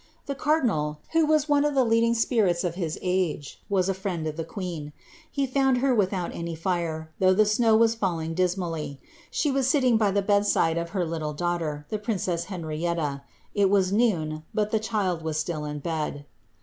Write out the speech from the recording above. The cardinal, who was one Df the leading spirits of his age, was a friend of the queen. He found ^ without any fire, though the snow was falling dismally ; she was MUing by the bedside of her little daugliter, the princess Henrietta *, it ns noon, but the child was still in bed.